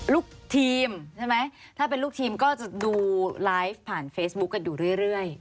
ลูกทีมใช่ไหมถ้าเป็นลูกทีมก็จะดูไลฟ์ผ่านเฟซบุ๊คกันอยู่เรื่อย